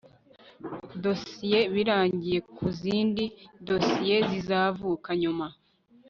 dosiye birangiye ku zindi dosiye zizavuka nyuma